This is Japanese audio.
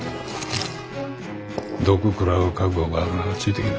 毒食らう覚悟があるならついてきな。